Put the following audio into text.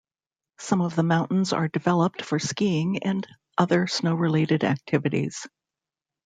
Some of the mountains are developed for skiing and other snow-related activities.